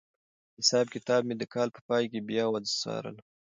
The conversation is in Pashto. حساب کتاب مې د کال په پای کې بیا وڅارلو.